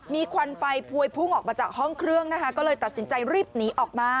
มีควันไฟพวยพุ่งออกมาจากห้องเครื่องนะคะก็เลยตัดสินใจรีบหนีออกมา